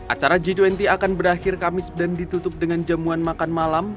acara g dua puluh akan berakhir kamis dan ditutup dengan jamuan makan malam